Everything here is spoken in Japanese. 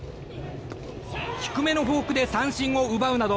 低めのフォークで三振を奪うなど